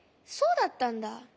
そうだったんだ。